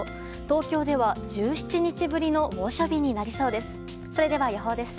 東京では、１７日ぶりの猛暑日になりそうです。